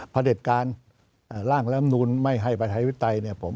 พระเด็จการร่างล้ำนูลไม่ให้ประชาธิวิทัย